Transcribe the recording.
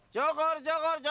cukur cukur cukur rambut